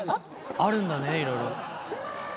あるんだねいろいろ。